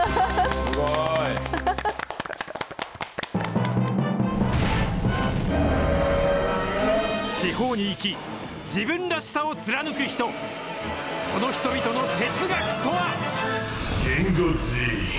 すごい！地方に生き、自分らしさを貫く人、その人々の哲学とは。